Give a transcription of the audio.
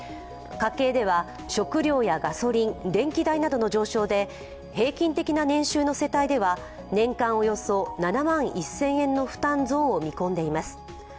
家計では、食料やガソリン、電気代などの上昇で平均的な年収の世帯では年間およそ７万１０００円の負担増を見込んでいます。